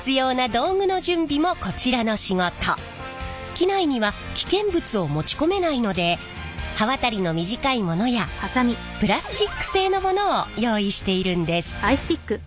機内には危険物を持ち込めないので刃渡りの短いものやプラスチック製のものを用意しているんです。